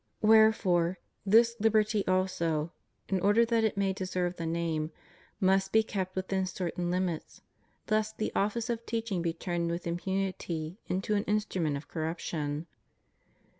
Wherefore, this liberty also, in order that it may deserve the name, must be kept within certain limits, lest the office of teaching be turned with impunity into an instru ment of corruption.